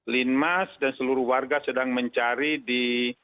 linmas dan seluruh warga sedang mencari di